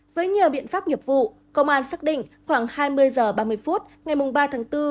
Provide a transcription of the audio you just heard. với nhiều biện pháp nghiệp vụ công an xác định khoảng hai mươi h ba mươi phút ngày ba tháng bốn